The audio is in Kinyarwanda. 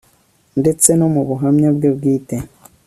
ndetse no mu buhamya bwe bwite